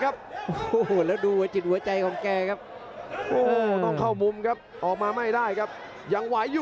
ขยับเข้ามาเจ้าเพชรสายฟ้าทิ้งด้วยมันขวาเดินด้วยทางซ้าย